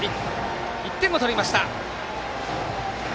１点を取りました。